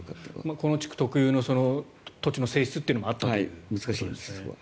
この地区特有の土地の性質というのもあったと思います。